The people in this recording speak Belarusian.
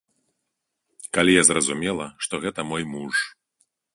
Калі я зразумела, што гэта мой муж.